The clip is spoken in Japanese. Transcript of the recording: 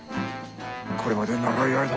これまで長い間。